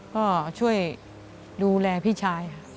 ก็ช่วยดูแลพี่ชายค่ะ